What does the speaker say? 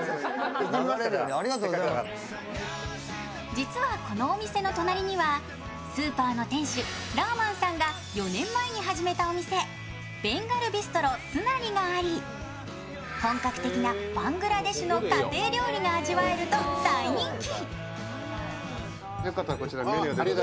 実はこのお店の隣にはスーパーの店主、ラーマンさんが４年前に始めたお店ベンガルビストロスナリがあり本格的なバングラデシュの家庭料理が味わえると大人気。